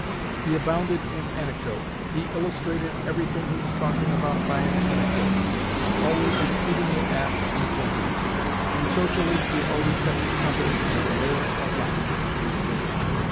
He abounded in anecdote. He illustrated everything he was talking about by an anecdote, always exceedingly apt and pointed; and socially he always kept his company in a roar of laughter."